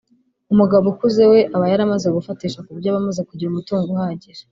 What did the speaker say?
umugabo ukuze we aba yaramaze gufatisha ku buryo aba amaze kugira umutungo uhagije